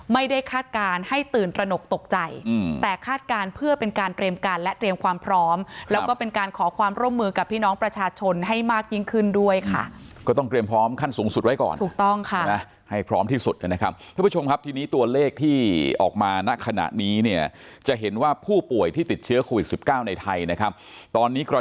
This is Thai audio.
คาดการณ์ให้ตื่นตระหนกตกใจแต่คาดการณ์เพื่อเป็นการเตรียมการและเตรียมความพร้อมแล้วก็เป็นการขอความร่วมมือกับพี่น้องประชาชนให้มากยิ่งขึ้นด้วยค่ะก็ต้องเตรียมพร้อมขั้นสูงสุดไว้ก่อนถูกต้องค่ะนะให้พร้อมที่สุดนะครับทุกผู้ชมครับทีนี้ตัวเลขที่ออกมาณขณะนี้เนี่ยจะเห็นว่าผู้ป่วยที่ติดเชื้อโควิดสิบเก้าในไทยนะครับตอนนี้กระ